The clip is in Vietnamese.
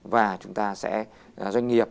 và chúng ta sẽ doanh nghiệp